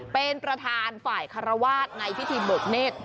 เป็นประธานฝ่ายคารวาสในพิธีเบิกเนธ